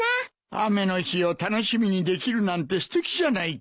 雨の日を楽しみにできるなんてすてきじゃないか。